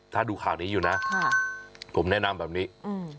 ถ้าดูข่าวนี้อยู่นะค่ะผมแนะนำแบบนี้อืม